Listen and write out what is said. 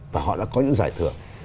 và họ đã có những giải thưởng